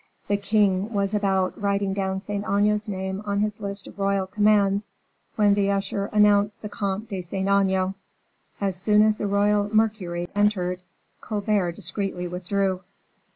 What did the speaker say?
The king was about writing down Saint Aignan's name on his list of royal commands, when the usher announced the Comte de Saint Aignan. As soon as the royal "Mercury" entered, Colbert discreetly withdrew.